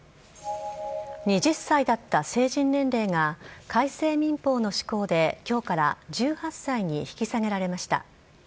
２０歳だった成人年齢が改正民法の施行で今日から１８歳に引き下げられました。